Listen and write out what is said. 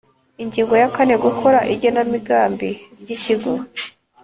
Ingingo ya kane Gukora igenamigambi ry ikigo